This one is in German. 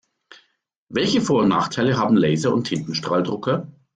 Welche Vor- und Nachteile haben Laser- und Tintenstrahldrucker?